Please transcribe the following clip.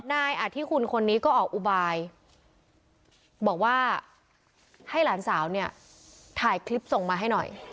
นายอธิคุณคนนี้ก็ออกอุบายบอกว่าให้หลานสาวเนี่ยถ่ายคลิปส่งมาให้หน่อย